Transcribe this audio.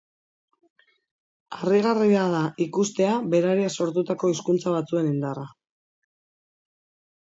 Harrigarria da ikustea berariaz sortutako hizkuntza batzuen indarra.